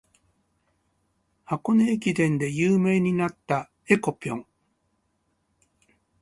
箱根駅伝で有名になった「えこぴょん」